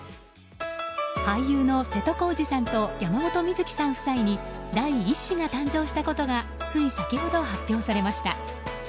俳優の瀬戸康史さんと山本美月さん夫妻に第１子が誕生したことがつい先ほど発表されました。